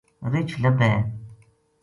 رچھ لبھے